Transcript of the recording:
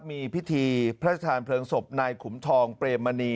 มีพิธีพระชาญเพลิงศพนายขุมทองเปรมมณี